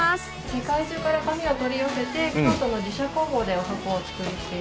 世界中から紙を取り寄せて京都の自社工房でお箱をお作りしています。